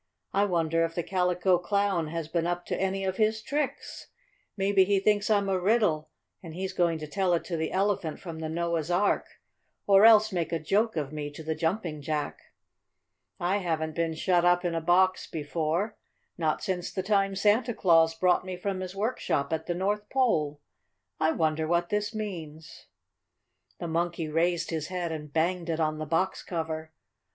I wonder if the Calico Clown has been up to any of his tricks? Maybe he thinks I'm a riddle, and he's going to tell it to the Elephant from the Noah's Ark, or else make a joke of me to the Jumping Jack. I haven't been shut up in a box before not since the time Santa Claus brought me from his workshop at the North Pole. I wonder what this means?" The Monkey raised his head and banged it on the box cover.